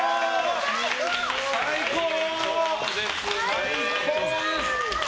最高！